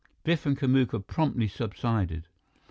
Biff and Kamuka promptly subsided.